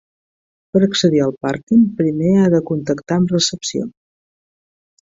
Per accedir al pàrquing primer ha de contactar amb recepció.